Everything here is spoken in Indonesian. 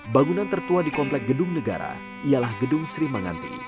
bangunan tertua di komplek gedung negara ialah gedung sri manganti